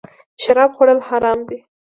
شراب خوړل حرام دی